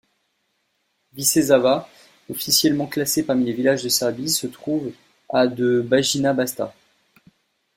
Višesava, officiellement classée parmi les villages de Serbie, se trouve à de Bajina Bašta.